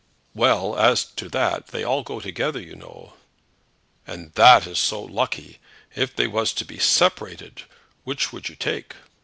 "Well, as to that, they all go together, you know." "And that is so lucky! If they was to be separated, which would you take?"